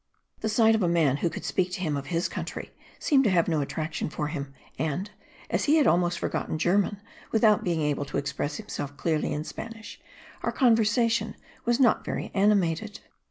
The sight of a man who could speak to him of his country seemed to have no attraction for him; and, as he had almost forgotten German without being able to express himself clearly in Spanish, our conversation was not very animated.